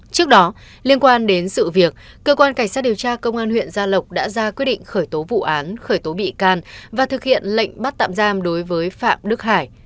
trước đó liên quan đến sự việc cơ quan cảnh sát điều tra công an huyện gia lộc đã ra quyết định khởi tố vụ án khởi tố bị can và thực hiện lệnh bắt tạm giam đối với phạm đức hải